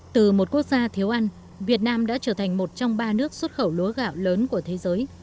từ một quốc gia thiếu ăn việt nam đã trở thành một trong ba nước xuất khẩu lúa gạo lớn của thế giới